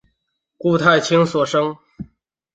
顾太清所生。